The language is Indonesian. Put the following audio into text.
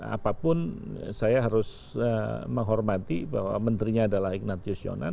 apapun saya harus menghormati bahwa menterinya adalah ignatius yonan